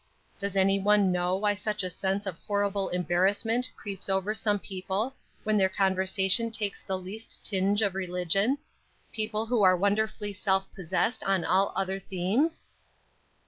Does anyone know why such a sense of horrible embarrassment creeps over some people when their conversation takes the least tinge of religion people who are wonderfully self possessed on all other themes?